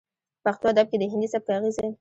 پښتو ادب کې د هندي سبک اغېزې